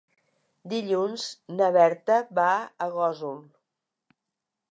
Dilluns na Berta va a Gósol.